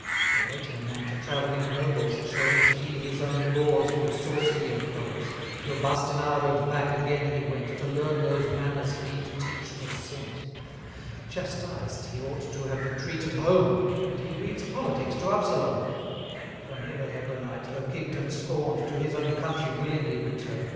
A waiting man to travelling nobles chose, He his own laws would saucily impose, Till bastinadoed back again he went, To learn those manners he to teach was sent. Chastised he ought to have retreated home, But he reads politics to Absalom. For never Hebronite, though kick'd and scorn'd, To his own country willingly return'd.